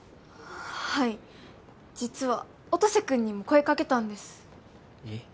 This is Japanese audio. はい実は音瀬君にも声かけたんですえっ？